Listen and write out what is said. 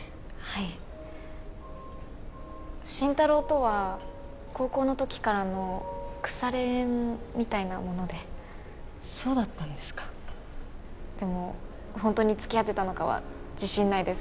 はい真太郎とは高校のときからの腐れ縁みたいなものでそうだったんですかでもホントに付き合ってたのかは自信ないです